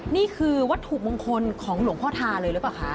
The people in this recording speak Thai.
นี่คือวัตถุมงคลของหลวงพ่อทาเลยหรือเปล่าคะ